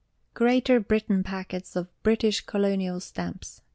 GREATER BRITAIN PACKETS OF British Colonial Stamps.